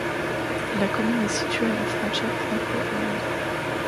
La commune est située à la frontière franco-allemande.